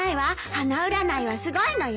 花占いはすごいのよ。